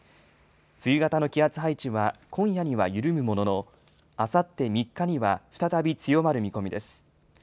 冬型の気圧配置は今夜には緩むものの、あさって３日には再び強まる見込みです。